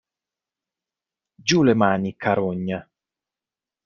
Giù le mani... carogna!